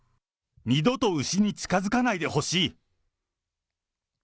二度と牛に近づかないでほしい。